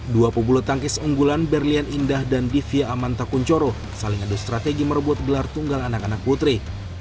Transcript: dua pebulu tangkis unggulan berlian indah dan divia amanta kunchoro saling adu strategi merebut gelar tunggal anak anak putri